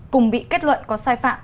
cùng bị kết luận có sai phạm